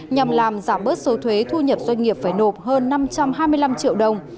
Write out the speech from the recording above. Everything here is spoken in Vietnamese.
nhằm làm giảm bớt số thuế thu nhập doanh nghiệp phải nộp hơn năm trăm hai mươi năm triệu đồng